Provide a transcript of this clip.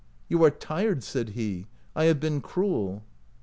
" You are tired," said he. " I have been cruel."